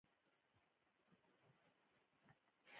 د یو سېلاب توپیر موجود دی.